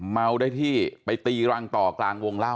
เมาได้ที่ไปตีรังต่อกลางวงเล่า